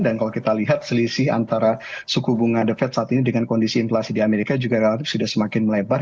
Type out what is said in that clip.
dan kalau kita lihat selisih antara suku bunga the fed saat ini dengan kondisi inflasi di amerika juga relatif sudah semakin melebar